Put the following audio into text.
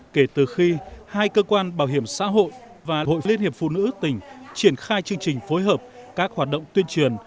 kể từ khi hai cơ quan bảo hiểm xã hội và hội liên hiệp phụ nữ tỉnh triển khai chương trình phối hợp các hoạt động tuyên truyền